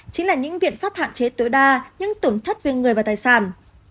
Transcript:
chính là những biện pháp hạn chế tối đa những tổn thất về người và tài sản